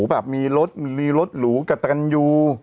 แบบมีรถรูกะตรันยู